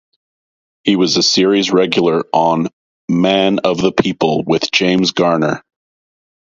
He was a series regular on "Man of the People" with James Garner.